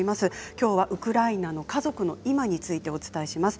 きょうはウクライナの家族の今についてお伝えします。